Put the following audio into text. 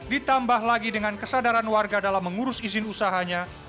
ditambah lagi dengan kesadaran warga dalam mengurus izin usahanya